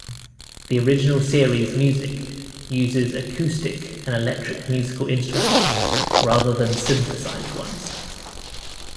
The original series' music uses acoustic and electric musical instruments, rather than synthesized ones.